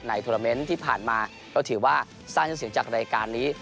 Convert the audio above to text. ในทัวร์เม้นที่ผ่านมาเราถือว่าสร้างยังเสียงจากรายการนี้